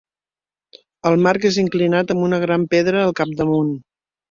El marc és inclinat amb una gran pedra al capdamunt.